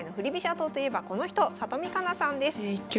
党といえばこの人里見香奈さんです。